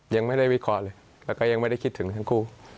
ยังไม่ได้วิเคราะห์เลยแล้วก็ยังไม่ได้คิดถึงทั้งคู่